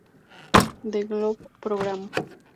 The Globe Program.